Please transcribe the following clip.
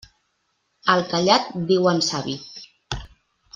Al callat diuen savi.